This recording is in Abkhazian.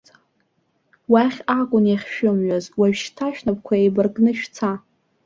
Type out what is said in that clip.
Уахь акәын иахьшәымҩаз, ожәшьҭа шәнапқәа еибаркны шәца!